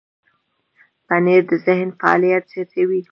پنېر د ذهن فعالیت زیاتوي.